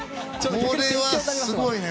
これはすごいね。